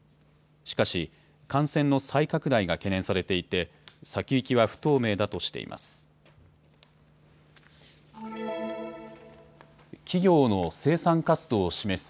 しかし、感染の再拡大が懸念されていて先行きは不透明だとしています。